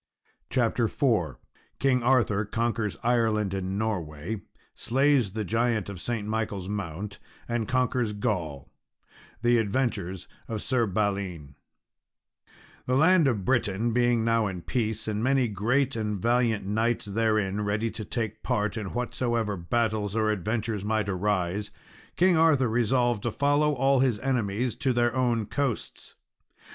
CHAPTER IV _King Arthur Conquers Ireland and Norway, Slays the Giant of St. Michael's Mount, and Conquers Gaul The Adventures of Sir Balin_ The land of Britain being now in peace, and many great and valiant knights therein ready to take part in whatsoever battles or adventures might arise, King Arthur resolved to follow all his enemies to their own coasts.